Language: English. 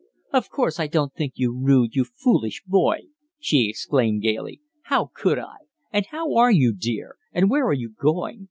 "Of course I don't think you rude, you foolish boy," she exclaimed gaily. "How could I? And how are you, dear? and where are you going?